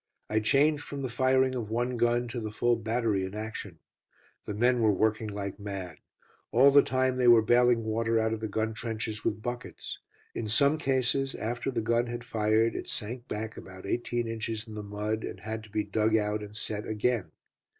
I changed from the firing of one gun to the full battery in action. The men were working like mad. All the time they were baling water out of the gun trenches with buckets. In some cases after the gun had fired it sank back about eighteen inches in the mud, and had to be dug out and set again.